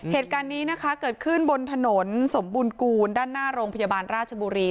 เหตุการณ์นี้นะคะเกิดขึ้นบนถนนสมบูรณกูลด้านหน้าโรงพยาบาลราชบุรี